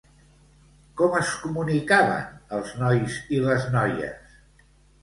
Com es comunicaven els nois i les noies?